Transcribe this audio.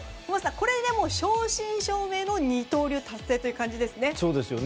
これで正真正銘の二刀流達成という感じですね。